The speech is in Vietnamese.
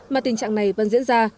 mà tình trạng này vẫn diễn ra